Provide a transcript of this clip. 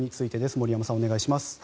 森山さん、お願いします。